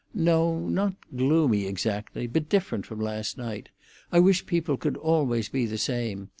"No, not gloomy exactly. But different from last night. I wish people could always be the same!